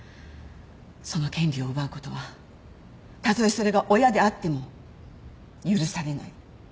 その権利を奪うことはたとえそれが親であっても許されない。